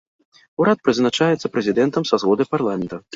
Урад прызначаецца прэзідэнтам са згоды парламента.